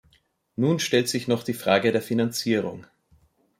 Nun stellt sich noch die Frage der Finanzierung.